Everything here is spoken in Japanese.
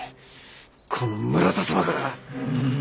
この村田様から！